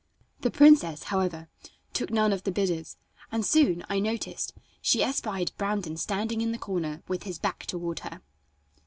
The princess, however, took none of the bidders, and soon, I noticed, she espied Brandon standing in the corner with his back toward her.